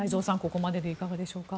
ここまででいかがでしょうか。